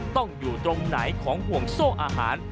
ต้องอยู่ตรงไหนของห่วงโซ่อาหาร